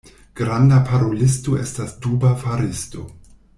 Granda parolisto estas duba faristo.